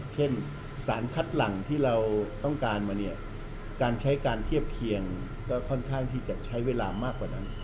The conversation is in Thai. เช่นสารคัดหลังที่เราต้องการมาเนี่ยการใช้การเทียบเคียงก็ค่อนข้างที่จะใช้เวลามากกว่านั้น